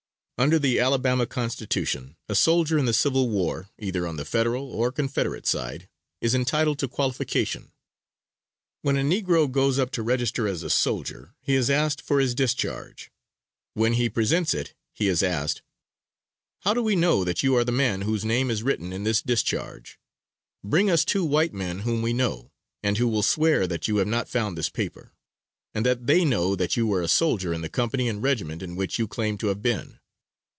Under the Alabama Constitution, a soldier in the Civil War, either on the Federal or Confederate side, is entitled to qualification. When a negro goes up to register as a soldier he is asked for his discharge. When he presents it he is asked, "How do we know that you are the man whose name is written in this discharge? Bring us two white men whom we know and who will swear that you have not found this paper, and that they know that you were a soldier in the company and regiment in which you claim to have been."